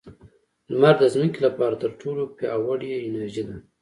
• لمر د ځمکې لپاره تر ټولو پیاوړې انرژي ده.